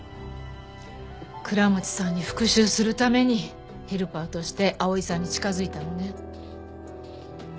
倉持さんに復讐するためにヘルパーとして碧さんに近づいたのね。